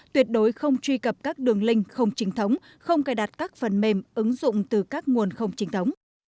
tuyệt đối không truy cập các đường linh không chính thống không cài đặt các phần mềm ứng dụng từ các nguồn không chính thống